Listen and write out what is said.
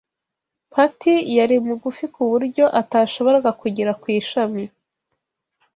Patty yari mugufi kuburyo atashoboraga kugera ku ishami